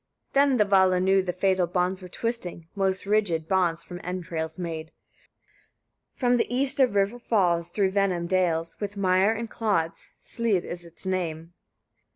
39. Then the Vala knew the fatal bonds were twisting, most rigid, bonds from entrails made. 40. From the east a river falls, through venom dales, with mire and clods, Slîd is its name.